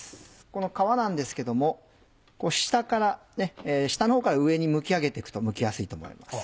この皮なんですけども下から下のほうから上にむきあげて行くとむきやすいと思います。